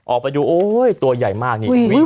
ออกไปดูตัวใหญ่มาก